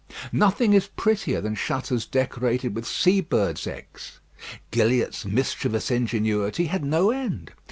Nothing is prettier than shutters decorated with sea birds' eggs. Gilliatt's mischievous ingenuity had no end.